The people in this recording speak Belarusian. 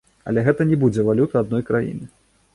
Але гэта не будзе валюта адной краіны.